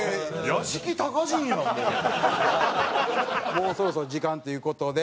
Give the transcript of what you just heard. もうそろそろ時間という事で。